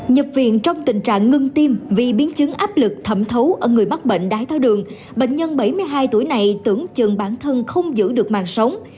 nhập viện trong tình trạng ngưng tim vì biến chứng áp lực thẩm thấu ở người mắc bệnh đái tháo đường bệnh nhân bảy mươi hai tuổi này tưởng chừng bản thân không giữ được màn sống